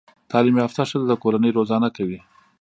تعليم يافته ښځه د کورنۍ روزانه کوي